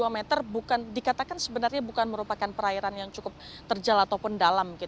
tiga puluh dua meter dikatakan sebenarnya bukan merupakan perairan yang cukup terjalat ataupun dalam